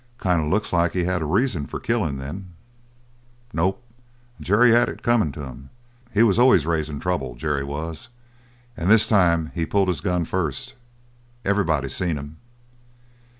"Kind of looks like he had reason for a killing, then." "Nope. Jerry had it comin' to him. He was always raising trouble, Jerry was. And this time, he pulled his gun first. Everybody seen him."